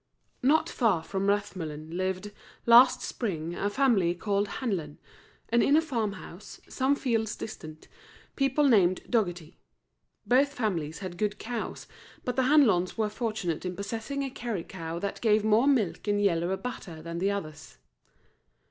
Not far from Rathmullen lived, last spring, a family called Hanlon; and in a farm house, some fields distant, people named Dogherty. Both families had good cows, but the Hanlons were fortunate in possessing a Kerry cow that gave more milk and yellower butter than the others.